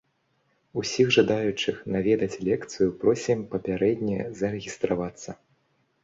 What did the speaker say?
Усіх жадаючых наведаць лекцыю просім папярэдне зарэгістравацца.